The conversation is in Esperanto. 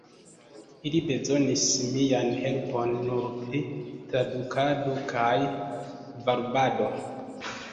Ili bezonis mian helpon nur pri tradukado kaj varbado.